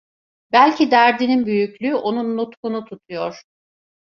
Belki derdinin büyüklüğü onun nutkunu tutuyor.